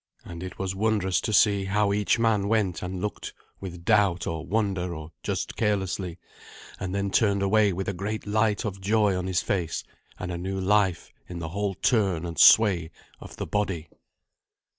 And it was wondrous to see how each man went and looked with doubt or wonder or just carelessly, and then turned away with a great light of joy on his face and a new life in the whole turn and sway of the body.